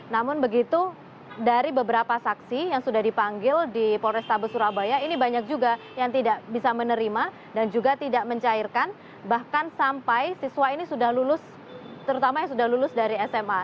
namun begitu dari beberapa saksi yang sudah dipanggil di polrestabes surabaya ini banyak juga yang tidak bisa menerima dan juga tidak mencairkan bahkan sampai siswa ini sudah lulus terutama yang sudah lulus dari sma